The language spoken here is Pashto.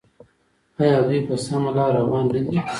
آیا دوی په سمه لار روان نه دي؟